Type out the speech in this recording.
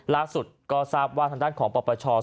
ล่าสุดก็ทราบว่าทางด้านของปปช